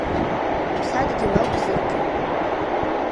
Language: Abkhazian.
Уԥсадгьыл акәзаргьы…